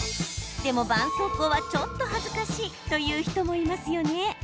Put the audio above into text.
でも、ばんそうこうはちょっと恥ずかしいという人もいますよね。